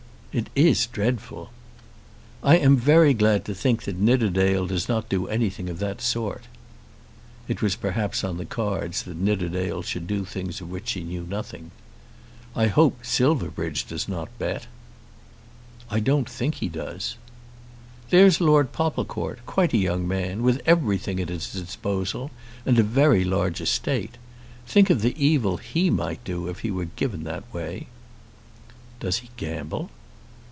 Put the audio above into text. "It is dreadful." "I am very glad to think that Nidderdale does not do anything of that sort." It was perhaps on the cards that Nidderdale should do things of which she knew nothing. "I hope Silverbridge does not bet." "I don't think he does." "There's Lord Popplecourt, quite a young man, with everything at his own disposal, and a very large estate. Think of the evil he might do if he were given that way." "Does he gamble?"